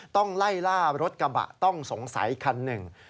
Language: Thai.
ต้องไล่ล่ารถกระบะต้องสงสัยคันหนึ่ง